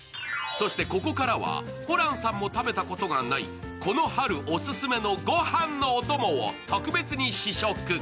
そして、ここからはホランさんも食べたことがない、この春お勧めの御飯のお供を特別に試食。